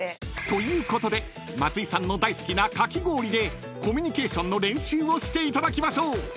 ［ということで松井さんの大好きなかき氷でコミュニケーションの練習をしていただきましょう］